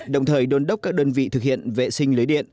đồng thời đôn đốc các đơn vị thực hiện vệ sinh lưới điện